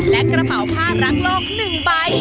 และกระเป๋าผ้ารักโลก๑ใบ